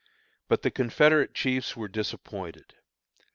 But the Confederate chiefs were disappointed.